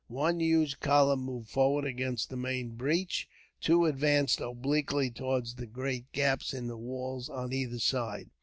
One huge column moved forward against the main breach, two advanced obliquely towards the great gaps in the walls on either side.